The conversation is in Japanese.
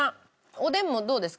おでんもどうですか？